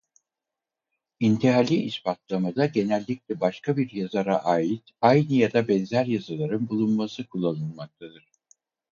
İntihali ispatlamada genellikle başka bir yazara ait aynı ya da benzer yazıların bulunması kullanılmaktadır.